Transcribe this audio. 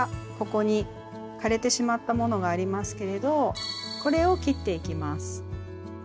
ここに枯れてしまったものがありますけれどこれを切っていきます。